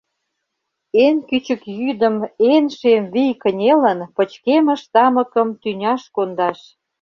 Эн кӱчык йӱдым Эн шем вий кынелын Пычкемыш тамыкым Тӱняш кондаш.